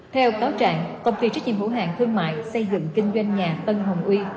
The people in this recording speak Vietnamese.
theo cáo trạng công ty trách nhiệm hữu hạng thương mại xây dựng kinh doanh nhà tân hồng uy